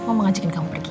mama ngajakin kamu pergi